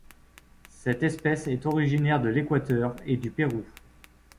Cette espèce est originaire de l'Équateur et du Pérou.